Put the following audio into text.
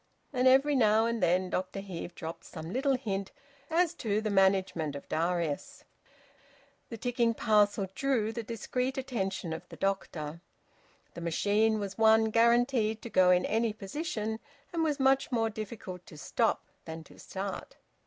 And every now and then Dr Heve dropped some little hint as to the management of Darius. The ticking parcel drew the discreet attention of the doctor. The machine was one guaranteed to go in any position, and was much more difficult to stop than to start.